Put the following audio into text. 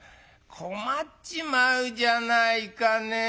「困っちまうじゃないかねぇ。